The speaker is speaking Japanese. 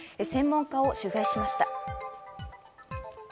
専門家を取材しました。